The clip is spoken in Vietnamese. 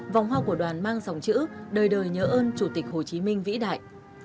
vòng hoa của đoàn mang dòng chữ đời đời nhớ ơn chủ tịch hồ chí minh vĩ đại